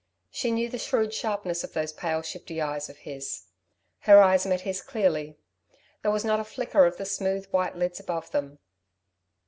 She knew the shrewd sharpness of those pale, shifty eyes of his. Her eyes met his clearly. There was not a flicker of the smooth, white lids above them.